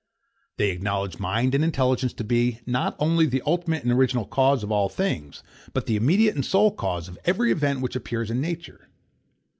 They acknowledge mind and intelligence to be, not only the ultimate and original cause of all things, but the immediate and sole cause of every event which appears in nature.